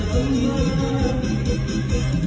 ขอบคุณทุกคน